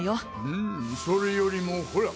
うんそれよりもほら。